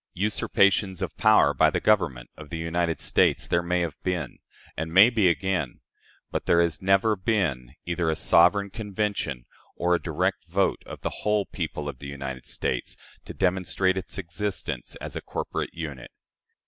Usurpations of power by the Government of the United States, there may have been, and may be again, but there has never been either a sovereign convention or a direct vote of the "whole people" of the United States to demonstrate its existence as a corporate unit.